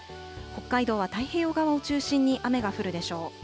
北海道は太平洋側を中心に雨が降るでしょう。